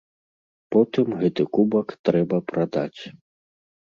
Потым гэты кубак трэба прадаць.